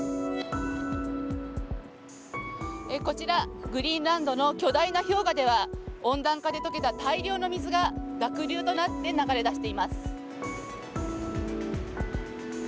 こちら、グリーンランドの巨大な氷河では温暖化でとけた大量の水が濁流となって流れ出しています。